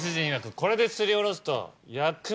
これですりおろすと。